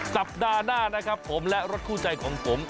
สัปดาห์หน้านะครับผมและรถคู่ใจของผม